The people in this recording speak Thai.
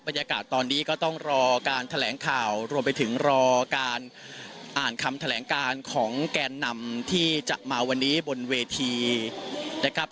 บรรยากาศตอนนี้ก็ต้องรอการแถลงข่าวรวมไปถึงรอการอ่านคำแถลงการของแกนนำที่จะมาวันนี้บนเวทีนะครับ